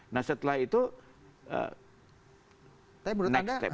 nah setelah itu next step